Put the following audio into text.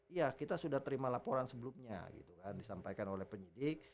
iya kita sudah terima laporan sebelumnya gitu kan disampaikan oleh penyidik